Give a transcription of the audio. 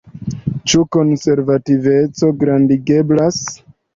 Ĉu konservativeco gradigeblas?